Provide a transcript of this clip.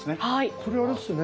これあれですね